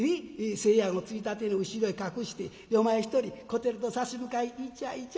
清やんをついたての後ろへ隠してお前一人小照と差し向かいイチャイチャ。